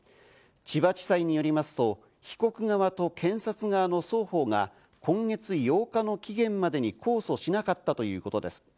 千葉地裁によりますと被告側と検察側の双方が今月８日の期限までに控訴しなかったということです。